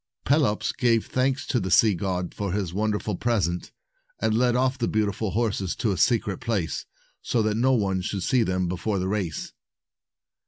Pelops gave thanks to the sea god for his wonderful present, and led off the beautiful horses to a secret place, so that no one should see them before the race.